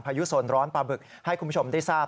พายุโซนร้อนปลาบึกให้คุณผู้ชมได้ทราบ